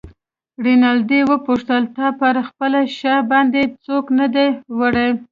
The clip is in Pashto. رینالډي وپوښتل: تا پر خپله شا باندې څوک نه دی وړی؟